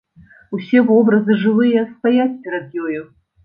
Усе вобразы, жывыя, стаяць перад ёю.